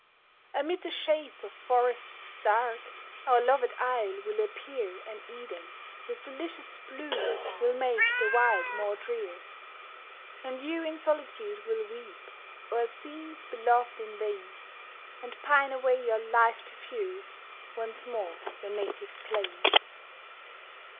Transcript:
Amid the shades of forests dark, Our loved isle will appear An Eden, whose delicious bloom Will make the wild more drear. And you in solitude will weep O'er scenes beloved in vain, And pine away your life to view Once more your native plain.